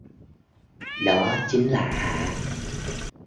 đó chính là Hạ